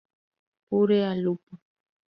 Pure al lupo!